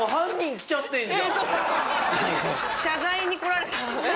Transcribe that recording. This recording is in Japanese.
謝罪に来られた。